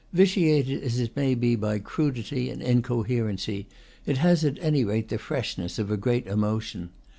Vitiated as it may be by crudity and incoherency, it has at any rate the fresh ness of a great emotion.